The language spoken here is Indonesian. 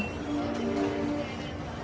kau sudah selesai mencari ethan